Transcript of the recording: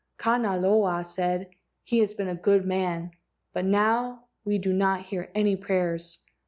Kanaloa said: "He has been a good man, but now we do not hear any prayers.